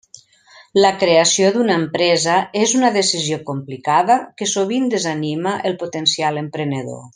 La creació d'una empresa és una decisió complicada que sovint desanima el potencial emprenedor.